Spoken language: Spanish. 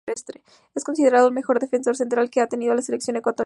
Es considerado el mejor defensa central que ha tenido la Selección Ecuatoriana.